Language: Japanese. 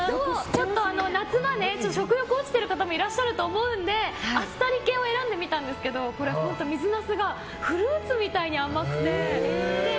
ちょっと夏場は食欲が落ちてる方がいらっしゃると思うのであっさり系を選んでみたんですが水ナスがフルーツみたいに甘くて。